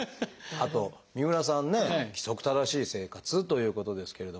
あと三浦さんね規則正しい生活ということですけれども。